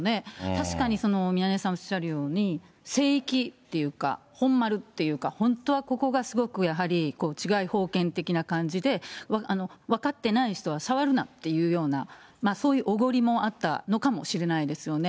確かに宮根さんおっしゃるように、聖域っていうか、本丸っていうか、本当はここがすごく、やはり治外法権的な感じで、分かってない人は触るなっていうような、そういうおごりもあったのかもしれないですよね。